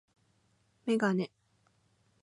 メガネ